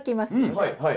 はいはい。